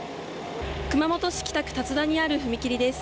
熊本市北区龍田にある踏切です。